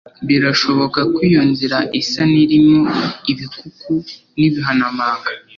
Birashoboka ko iyo nzira isa n'irimo ibikuku n'ibihanamanga,